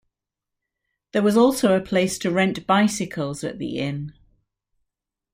There was also a place to rent bicycles at the inn.